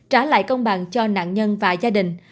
trả lại công bằng cho nạn nhân và gia đình